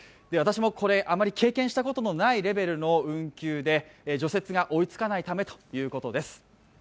私もあまり経験したことのないレベルの運休で除雪が追いつかないためということです。